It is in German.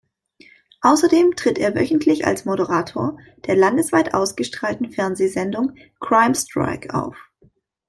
Außerdem tritt er wöchentlich als Moderator der landesweit ausgestrahlten Fernsehsendung "Crime Strike" auf.